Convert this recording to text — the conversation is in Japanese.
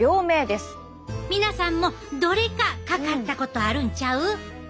皆さんもどれかかかったことあるんちゃう？